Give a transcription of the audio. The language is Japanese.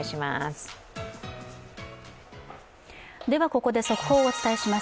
ここで速報をお伝えします。